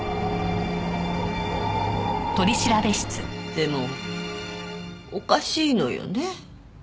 でもおかしいのよね。